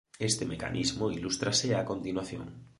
Este mecanismo ilústrase a continuación.